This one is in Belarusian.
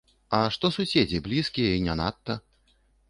А што суседзі, блізкія і не надта?